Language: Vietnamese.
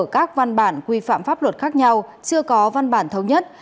các văn bản quy phạm pháp luật khác nhau chưa có văn bản thống nhất